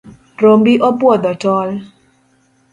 Rombi obwodho tol.